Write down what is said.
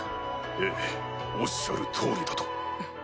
ええおっしゃる通りだと。